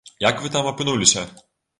Як вы там апынуліся?